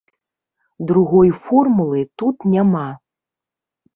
Другой формулы тут няма.